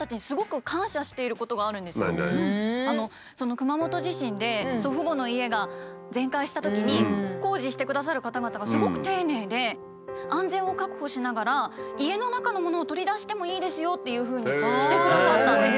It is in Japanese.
熊本地震で祖父母の家が全壊したときに工事してくださる方々がすごく丁寧で安全を確保しながら家の中のものを取り出してもいいですよっていうふうにしてくださったんです。